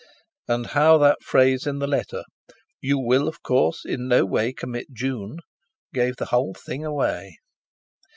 And how that phrase in the letter—"You will, of course, in no way commit June"—gave the whole thing away.